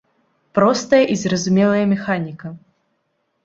Простая і зразумелая механіка.